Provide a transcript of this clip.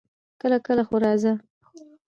کله کله خو راځه!